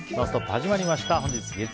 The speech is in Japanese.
始まりました。